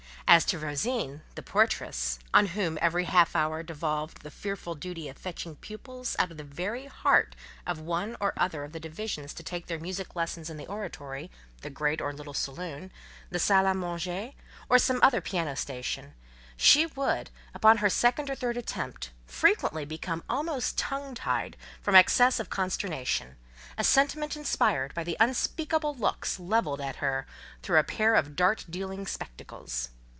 As to Rosine, the portress—on whom, every half hour, devolved the fearful duty of fetching pupils out of the very heart of one or other of the divisions to take their music lessons in the oratory, the great or little saloon, the salle à manger, or some other piano station—she would, upon her second or third attempt, frequently become almost tongue tied from excess of consternation—a sentiment inspired by the unspeakable looks levelled at her through a pair of dart dealing spectacles.